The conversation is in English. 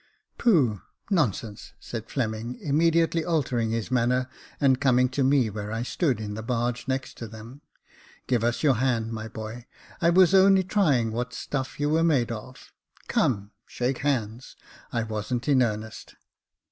" Pooh ! nonsense !" said Fleming, immediately altering his manner and coming to me where I stood, in the barge next to them. " Give us your hand, my boy ; I was only trying what stuff you were made of. Come, shake hands ; I wasn't in earnest."